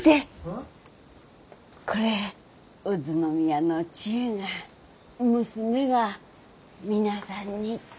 これ宇都宮の千絵が娘が皆さんにって。